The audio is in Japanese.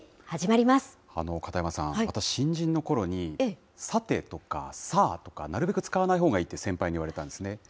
片山さん、私、新人のころに、さてとか、さあとか、なるべく使わないほうがいいと、先輩に言われたんですね。